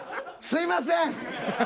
すいません！